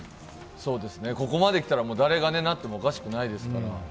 ここまできたら誰がなってもおかしくないですから。